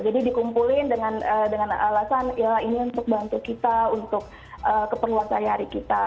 jadi dikumpulin dengan alasan ya ini untuk bantu kita untuk keperluan sehari hari kita